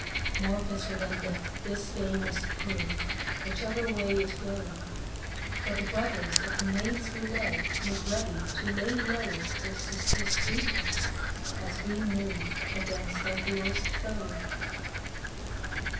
More bitter than death this day must prove Whichever way it go, 156 Charles I For the brothers of the maids we love Make ready to lay low Their sisters' sweethearts, as we move Against our dearest foe.